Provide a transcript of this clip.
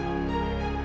inok ngapain kesini